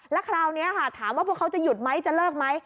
ตอนนี้ค่ะถามว่าพวกเขาจะหยุดไหมจะเลิกไหม